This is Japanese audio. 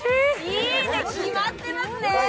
いいね、決まってますね。